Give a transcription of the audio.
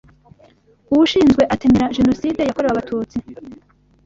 uwushinzwe atemera Jenoside yakorewe Abatutsi,